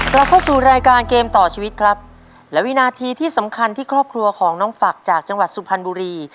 เราเข้าสู่รายการเกมต่อชีวิตครับและวินาทีที่สำคัญที่ครอบครัวของน้องฝักจากจังหวัดสุพรรณบุรี